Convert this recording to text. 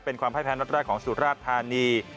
เป็นความแพ้แพ้นัดแรกของสูตรราชธานี